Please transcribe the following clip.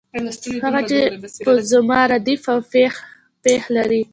هغه چې په زما ردیف او پیښ لري.